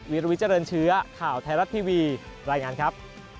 ลวิเจริญเชื้อข่าวไทยรัฐทีวีรายงานครับ